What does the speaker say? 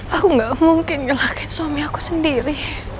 aku gak mungkin ngelakin suami aku sendiri